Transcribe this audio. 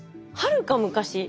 はるか昔？